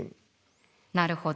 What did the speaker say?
なるほど。